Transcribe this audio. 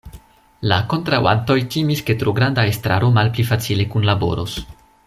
La kontraŭantoj timis ke tro granda estraro malpli facile kunlaboros.